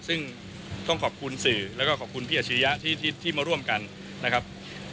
ซึ่งต้องขอบคุณสื่อแล้วก็ขอบคุณพี่อาชิริยะที่มาร่วมกันนะครับ